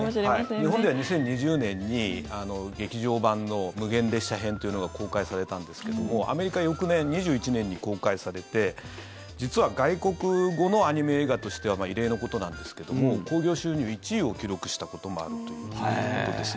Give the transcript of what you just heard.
日本では２０２０年に劇場版の「無限列車編」というのが公開されたんですけどもアメリカ翌年２１年に公開されて実は外国語のアニメ映画としては異例のことなんですけども興行収入１位を記録したこともあるということですね